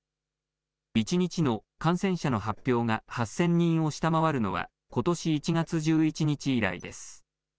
１日の感染者の発表が８０００人を下回るのは、ことし１月１１日以来です。